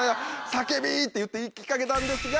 「『叫び』！」って言って行きかけたんですが。